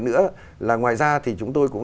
nữa là ngoài ra thì chúng tôi cũng